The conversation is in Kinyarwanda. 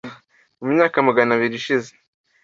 mu myaka Magana abiri ishize